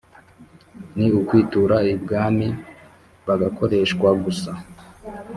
ni ukwitura ibwami bagakoreshwa gusa